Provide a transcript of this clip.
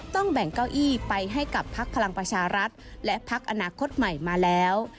ต้องแบ่งเก้าอี้ไปให้กับพักพลังประชารัฐและพักอนาคตใหม่มาแล้ว